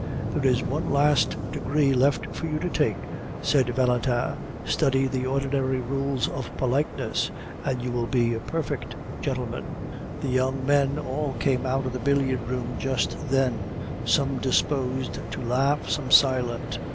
"There is one last degree left for you to take," said Valentin; "study the ordinary rules of politeness, and you will be a perfect gentlemen." The young men all came out of the billiard room just then, some disposed to laugh, some silent.